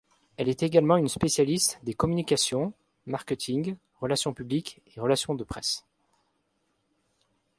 Elle est également une spécialiste des communications, marketing, relations publiques et relations de presse.